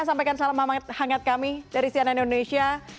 sampaikan salam hangat kami dari cnn indonesia